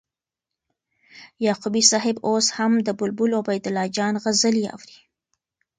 یعقوبی صاحب اوس هم د بلبل عبیدالله جان غزلي اوري